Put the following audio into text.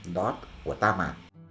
đó của ta mà